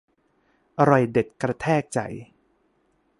อร่อยเด็ดกระแทกใจ